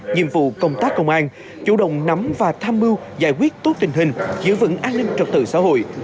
nhiệm vụ công tác công an chủ động nắm và tham mưu giải quyết tốt tình hình giữ vững an ninh trật tự xã hội